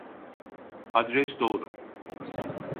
Adres doğru